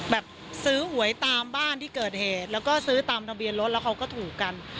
แบบซื้อหวยตามบ้านที่เกิดเหตุแล้วก็ซื้อตามทะเบียนรถแล้วเขาก็ถูกกัน